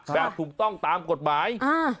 แบบถูกต้องตามกฎหมาย